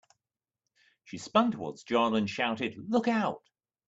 She spun towards John and shouted, "Look Out!"